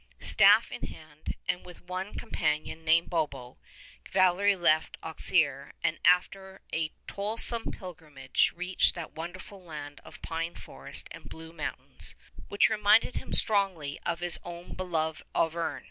Staff in hand, and with one companion named Bobbo, Valery left Auxerre and after a toilsome pilgrimage reached that wonderful land of pine forest and blue mountains which reminded him strongly of his own beloved Auvergne.